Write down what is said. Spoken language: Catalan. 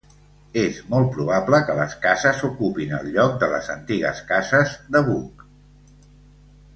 És molt probable que les cases ocupin el lloc de les antigues cases de Buc.